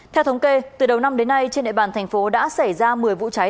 theo thống kê từ đầu năm đến nay trên địa bàn thành phố đã xảy ra một mươi vụ cháy